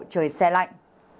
trời xe lạnh